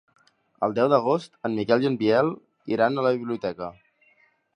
El deu d'agost en Miquel i en Biel iran a la biblioteca.